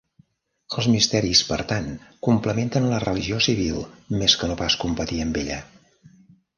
Els misteris, per tant, complementen la religió civil, més que no pas competir amb ella.